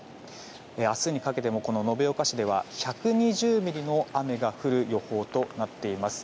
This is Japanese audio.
明日にかけても延岡市では１２０ミリの雨が降る予報となっています。